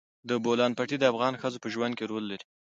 د بولان پټي د افغان ښځو په ژوند کې رول لري.